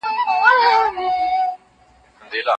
که مورنۍ ژبه نه وي نو ستونزې ډېرېږي.